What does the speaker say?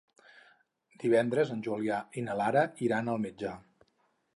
Divendres en Julià i na Lara iran al metge.